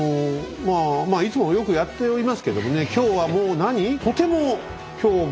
いつもよくやっておりますけどもね今日はもうなに？